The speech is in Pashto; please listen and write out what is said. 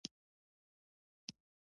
ادبي سیالۍ دې جوړې سي.